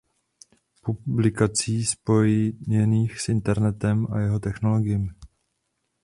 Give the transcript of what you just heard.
publikací spojených s Internetem a jeho technologiemi.